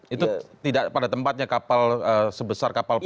itu tidak pada tempatnya kapal sebesar kapal